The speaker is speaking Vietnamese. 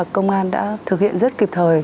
công an đã thực hiện rất kịp thời